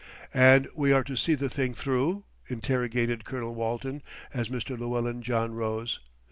"And we are to see the thing through?" interrogated Colonel Walton, as Mr. Llewellyn John rose.